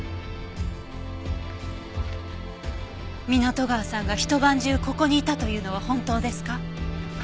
湊川さんがひと晩中ここにいたというのは本当ですか？